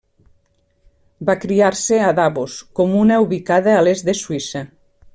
Va criar-se a Davos, comuna ubicada a l'est de Suïssa.